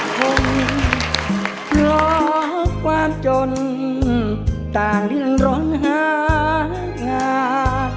คงเพราะความจนต่างดินรนหางา